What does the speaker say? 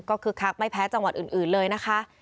ก็คึกคักไม่แพ้จังหวัดอื่นเลยนะคะ